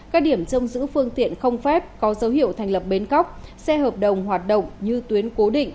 các điểm trông giữ phương tiện không phép có dấu hiệu thành lập bến cóc xe hợp đồng hoạt động như tuyến cố định